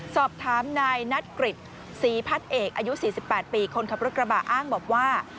สอบถามนายนัทกฤทธิ์สีพัดเอกอายุสี่สิบแปดปีคนขับรถกระบาทอ้างบอกว่า